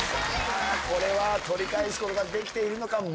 これは取り返すことができているのか。